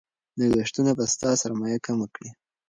لګښتونه به ستا سرمایه کمه کړي.